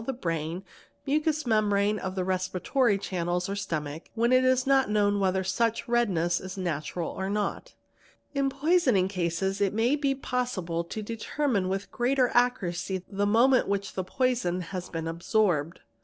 the brain, mucous "membrane of the respiratory channels or stomach, when it is not known Flin eee na, NR RTECS PA A) GS A SAIN HA ANSI 7 whether such redness is natural or not. In poisoning cases it may be possible to determine with greater accuracy the moment when the poison has been absorbed.